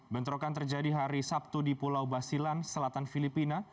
bentrokan terjadi hari sabtu di pulau basilan selatan filipina